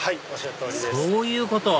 そういうこと⁉ご